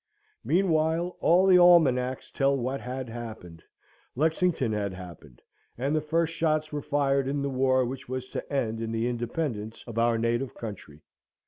Meanwhile, all the almanacs tell what had happened. Lexington had happened, and the first shots were fired in the war which was to end in the independence of our native country.